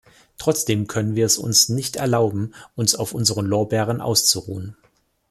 Trotzdem können wir es uns nicht erlauben, uns auf unseren Lorbeeren auszuruhen.